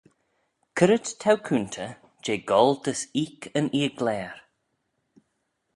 C'red t'ou coontey jeh goll dys oik yn 'eeackleyr?